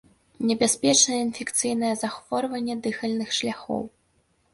Небяспечнае інфекцыйнае захворванне дыхальных шляхоў.